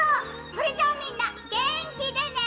それじゃみんなげんきでね！